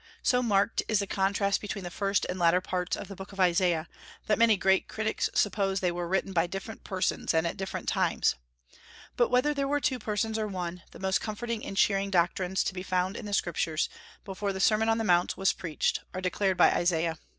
So marked is the contrast between the first and latter parts of the Book of Isaiah, that many great critics suppose that they were written by different persons and at different times. But whether there were two persons or one, the most comforting and cheering doctrines to be found in the Scriptures, before the Sermon on the Mount was preached, are declared by Isaiah.